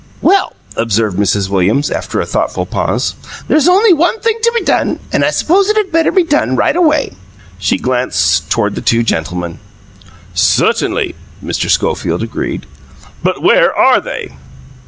"Well," observed Mrs. Williams, after a thoughtful pause, "there's only one thing to be done, and I suppose it had better be done right away." She glanced toward the two gentlemen. "Certainly," Mr. Schofield agreed. "But where ARE they?"